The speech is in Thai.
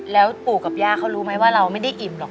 แล้วปู่กับย่าเขารู้ไหมว่าเราไม่ได้อิ่มหรอก